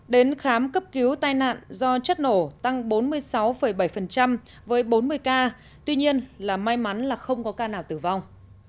đến khám cấp cứu tai nạn do chất nổ tăng bốn mươi sáu bảy với bốn mươi ca tuy nhiên là may mắn là không có ca nào tử vong